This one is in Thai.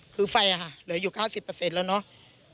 คือไฟอ่ะค่ะเหลืออยู่เก้าสิบเปอร์เซ็นต์แล้วเนอะ